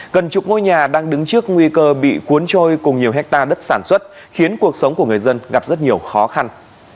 gần chục ngôi nhà đang đứng trước nguy cơ bị cuốn trôi cùng nhiều hectare đất sản xuất khiến cuộc sống của người dân gặp rất nhiều khó khăn